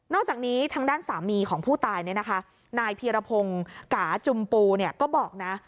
อกจากนี้ทางด้านสามีของผู้ตายเนี่ยนะคะนายพีรพงศ์กาจุมปูก็บอกนะ